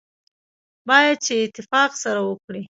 باید چې اتفاق سره وکړي.